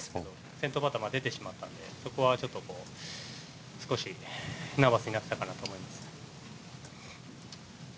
先頭バッターが出てしまったのでそこは少しナーバスになっていたかなと思います。